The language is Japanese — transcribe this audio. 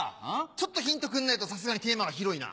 ちょっとヒントくんないとさすがにテーマが広いな。